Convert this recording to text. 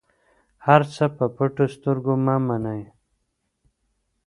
هر څه په پټو سترګو مه منئ.